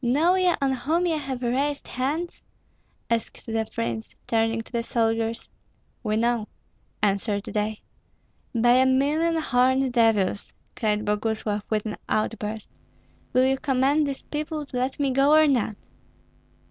"Know ye on whom ye have raised hands?" asked the prince, turning to the soldiers. "We know," answered they. "By a million horned devils!" cried Boguslav, with an outburst. "Will you command these people to let me go, or not?"